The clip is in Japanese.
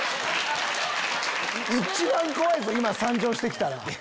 一番怖いぞ今参上して来たら。